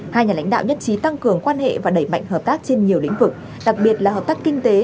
hai nhà lãnh đạo nhất trí tăng cường quan hệ và đẩy mạnh hợp tác trên nhiều lĩnh vực đặc biệt là hợp tác kinh tế